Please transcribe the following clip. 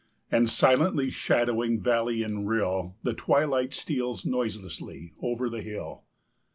And, silently shadowing valley and rill, The twilight steals noiselessly over the hill.